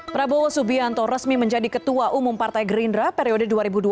prabowo subianto resmi menjadi ketua umum partai gerindra periode dua ribu dua puluh dua ribu dua puluh lima